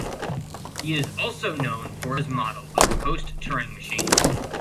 He is also known for his model of Post-Turing machines.